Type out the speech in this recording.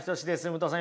武藤さん